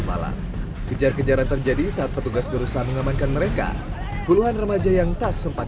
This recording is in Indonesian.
malam kejar kejaran terjadi saat petugas berusaha mengamankan mereka puluhan remaja yang tak sempat